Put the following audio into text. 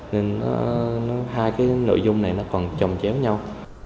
nên hai cái nội dung này nó còn trồng chéo nhau